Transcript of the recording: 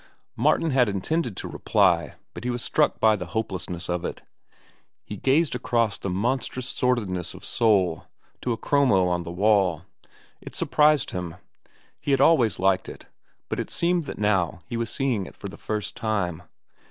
Martin had intended to reply, but he was struck by the hopelessness of it. He gazed across the monstrous sordidness of soul to a chromo on the wall. It surprised him. He had always liked it, but it seemed that now he was seeing it for the first time.